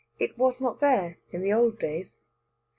It was not there in the old days.